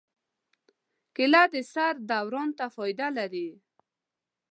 کېله د سر دوران ته فایده لري.